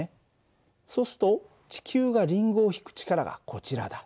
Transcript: そうすると地球がリンゴを引く力がこちらだ。